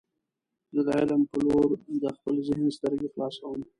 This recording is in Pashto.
زه د علم په لور د خپل ذهن سترګې خلاصوم.